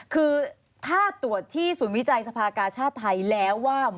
คือถ้าตรวจที่ศูนย์วิจัยสภากาชาติไทยแล้วว่า